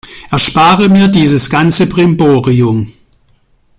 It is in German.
Erspare mir dieses ganze Brimborium!